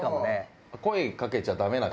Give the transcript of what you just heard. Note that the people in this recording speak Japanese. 声かけちゃダメな人。